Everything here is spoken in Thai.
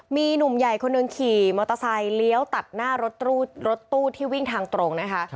มีหนุ่มใหญ่คนหนึ่งขี่มอเตอร์ไซค์เลี้ยวตัดหน้ารถตู้ที่วิ่งทางตรงนะคะ